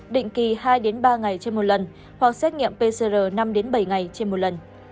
định kỳ hai ba ngày trên một lần hoặc xét nghiệm pcr năm bảy ngày trên một lần